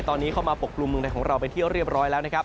ตอนนี้เข้ามาปกกลุ่มเมืองไทยของเราไปเที่ยวเรียบร้อยแล้วนะครับ